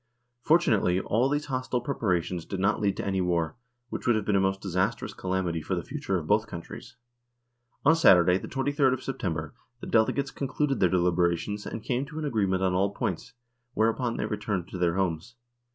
Fortunately all these hostile preparations did not lead to any war, which would have been a most disastrous calamity for the future of both countries. On Saturday, the 23rd of September, the delegates concluded their deliberations and came to an agree ment on all points, whereupon they returned to their homes.